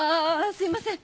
すいません。